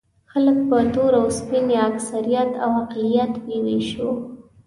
خلک په تور او سپین او یا اکثریت او اقلیت وېشو.